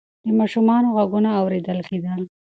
د ماشومانو غږونه اورېدل کېدل.